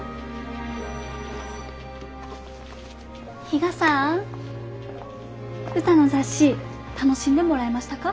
比嘉さん歌の雑誌楽しんでもらえましたか？